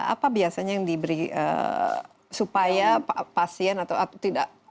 apa biasanya yang diberi supaya pasien atau tidak